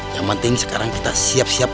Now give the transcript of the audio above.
yang penting sekarang kita siap siap